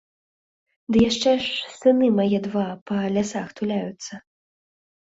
Ды яшчэ ж сыны мае два па лясах туляюцца.